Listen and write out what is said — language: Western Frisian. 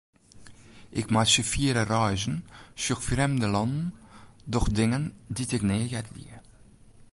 Ik meitsje fiere reizen, sjoch frjemde lannen, doch dingen dy'k nea earder die.